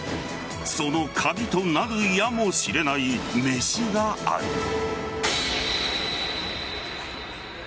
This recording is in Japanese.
その鍵となるやもしれないめしがある。